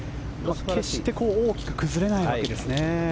決して大きく崩れないわけですね。